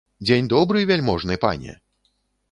Дзень добры, вяльможны пане!